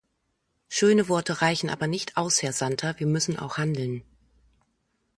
Schöne Worte reichen aber nicht aus, Herr Santer, wir müssen auch handeln.